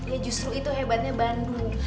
ya justru itu hebatnya bandung